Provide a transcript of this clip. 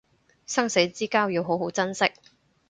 生死之交要好好珍惜